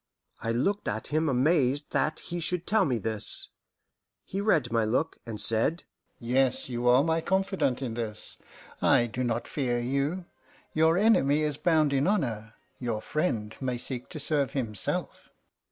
I looked at him amazed that he should tell me this. He read my look, and said: "Yes, you are my confidant in this. I do not fear you. Your enemy is bound in honour, your friend may seek to serve himself."